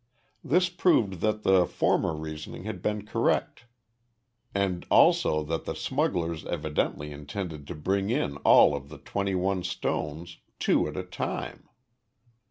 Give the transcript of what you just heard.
This proved that his former reasoning had been correct and also that the smugglers evidently intended to bring in all of the twenty one stones, two at a time.